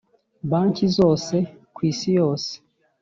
banki zoze kw’isi yose